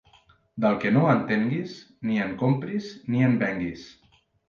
Del que no entenguis, ni en compris ni en venguis.